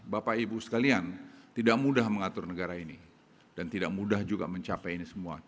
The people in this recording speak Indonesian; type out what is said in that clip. bapak ibu sekalian tidak mudah mengatur negara ini dan tidak mudah juga mencapai ini semua